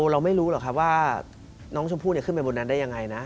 เราไม่รู้หรอกครับว่าน้องชมพู่ขึ้นไปบนนั้นได้ยังไงนะ